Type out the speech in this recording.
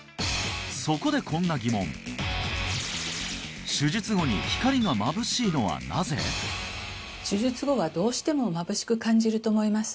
そこでこんな疑問手術後はどうしてもまぶしく感じると思います